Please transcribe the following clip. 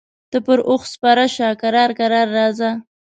ته پر اوښ سپره شه کرار کرار راځه.